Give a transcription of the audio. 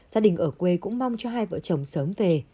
gia đình ở quê cũng mong cho hai vợ chồng sớm về